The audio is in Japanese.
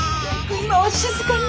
今は静かに。